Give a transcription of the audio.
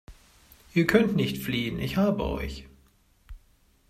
Ihr könnt nicht fliehen. Ich habe euch!